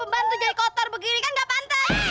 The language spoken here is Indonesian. jangan jangan jangan